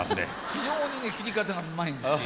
非常にね斬り方がうまいんですよ。